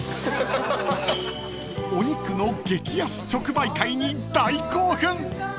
［お肉の激安直売会に大興奮！］